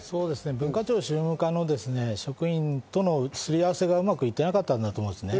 文化庁宗務課の職員とのすり合わせがうまくいっていなかったんだと思いますね。